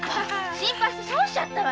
心配して損しちゃったわ。